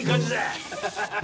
ハハハハッ！